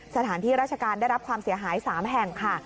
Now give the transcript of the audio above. สถานที่ราชการได้รับความเสียหาย๓แห่งค่ะ